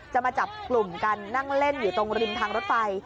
มาจับกลุ่มกันนั่งเล่นอยู่ตรงริมทางรถไฟ